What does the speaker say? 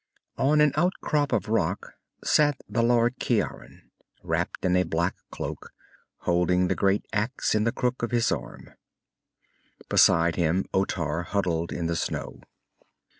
On an outcrop of rock sat the Lord Ciaran, wrapped in a black cloak, holding the great axe in the crook of his arm. Beside him, Otar huddled in the snow.